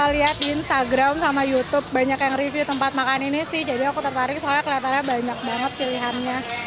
lihat di instagram sama youtube banyak yang review tempat makan ini sih jadi aku tertarik soalnya kelihatannya banyak banget pilihannya